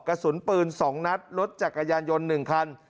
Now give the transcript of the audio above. กระสุนปืน๒นัดรถจักรยานยนต์๑คัน